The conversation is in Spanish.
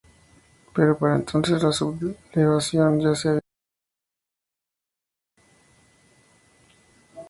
Pero para entonces la sublevación ya se había producido.